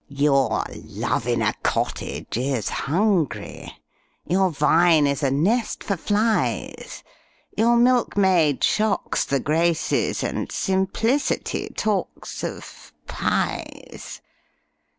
Your love in a cottage is hungry, Your vine is a nest for flies Your milkmaid shocks the Graces, And simplicity talks of pies!